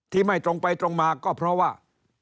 ไม่ตรงไปตรงมาก็เพราะว่า